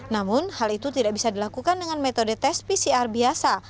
namun hal itu tidak bisa dilakukan dengan metode tes pcr biasa